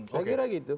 saya kira gitu